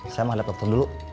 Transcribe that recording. saya mau dapet waktu dulu